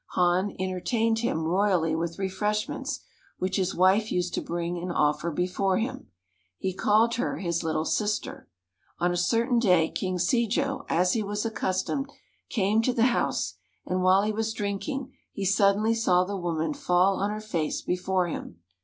Han entertained him royally with refreshments, which his wife used to bring and offer before him. He called her his "little sister." On a certain day King Se jo, as he was accustomed, came to the house, and while he was drinking he suddenly saw the woman fall on her face before him.